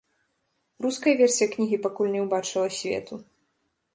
Руская версія кнігі пакуль не ўбачыла свету.